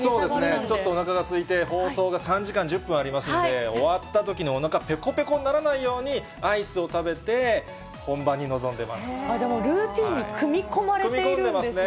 そうですね、ちょっとおなかがすいて、放送が３時間１０分ありますんで、終わったときにおなかぺこぺこにならないように、アイスを食べて、でもルーティンに組み込まれ組み込んでますね。